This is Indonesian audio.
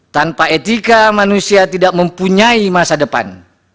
tanpa etika manusia tidak mempunyai masa depan